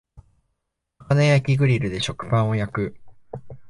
魚焼きグリルで食パンを焼く